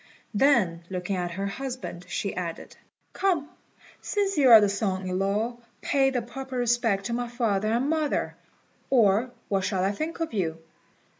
Then, looking at her husband, she added, "Come, since you are the son in law, pay the proper respect to my father and mother, or what shall I think of you?"